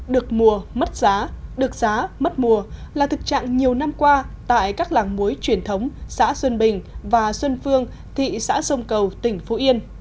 được mùa mất giá được giá mất mùa là thực trạng nhiều năm qua tại các làng muối truyền thống xã xuân bình và xuân phương thị xã sông cầu tỉnh phú yên